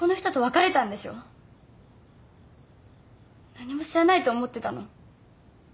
何も知らないと思ってたの？